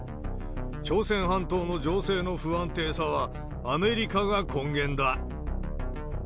朝鮮半島の情勢の不安定さはアメリカが根源だ。